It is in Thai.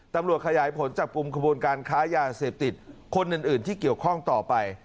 ตำรวจขยายผลจับกลุ่มขบวนการค้ายาเสพติดคนอื่นที่เกี่ยวข้องต่อไป